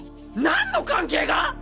何の関係が！？